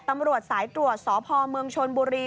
ตำรวจสายตรวจสพเมืองชนบุรี